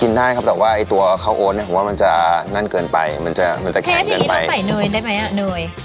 ได้ครับแต่ว่าไอ้ตัวข้าวโอ๊ตเนี่ยผมว่ามันจะแน่นเกินไปมันจะมันจะแข็งเกินไปใส่เนยได้ไหมอ่ะเนย